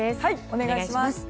お願いします。